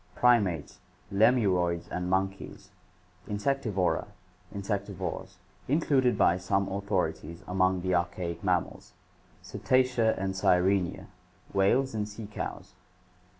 Primates, lemuroids and monkeys. Insectivora, insectivores, included by some authorities among the archaic mammals. Cetacea and Sirenia, whales and sea cows.